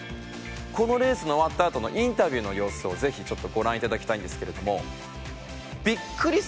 このレースの終わったあとのインタビューの様子をぜひちょっとご覧いただきたいんですけれども。